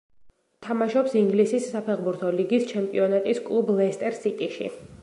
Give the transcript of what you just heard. თამაშობს ინგლისის საფეხბურთო ლიგის ჩემპიონატის კლუბ „ლესტერ სიტიში“.